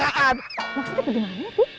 maksudnya begitu gimana pih